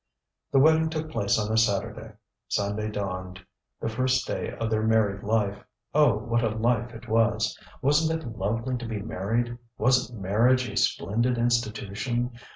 The wedding took place on a Saturday. Sunday dawned, the first day of their married life. Oh! what a life it was! WasnŌĆÖt it lovely to be married! WasnŌĆÖt marriage a splendid institution!